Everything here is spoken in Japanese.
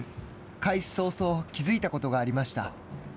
開始早々、気付いたことがありました。